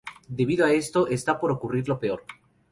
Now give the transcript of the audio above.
Debido a esto, está por ocurrir lo peor.